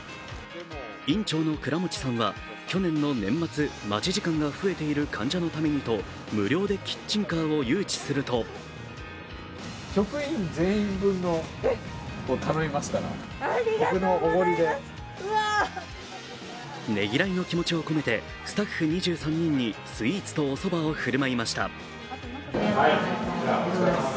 院長の倉持さんは去年の年末、待ち時間が増えている患者のためにと無料でキッチンカーを誘致するとねぎらいの気持ちを込めてスタッフ２３人にスイーツとおそばを振る舞いました。